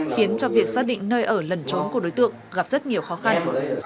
khiến cho việc xác định nơi ở lần trốn của đối tượng gặp rất nhiều khó khăn